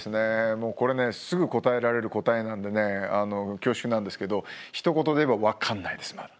もうこれねすぐ答えられる答えなんでね恐縮なんですけどひと言で言えば分かんないですまだ。